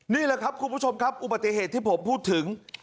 นี่แหละครับคุณผู้ชมครับอุบัติเหตุที่ผมพูดถึง